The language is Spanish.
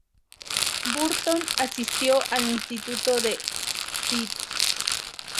Burton asistió al instituto en St.